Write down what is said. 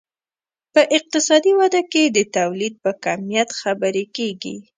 په اقتصادي وده کې د تولید په کمیت خبرې کیږي.